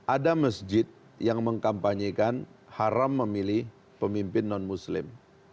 ada masjid yang mengkampanyekan haram memilih pemimpin non muslim